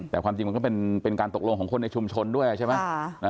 แต่ความจริงมันก็เป็นการตกลงของคนในชุมชนด้วยใช่ไหม